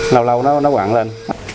lâu lâu nó quặng lên